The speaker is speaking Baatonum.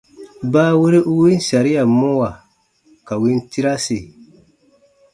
Baawere u win saria mɔwa ka win tirasi.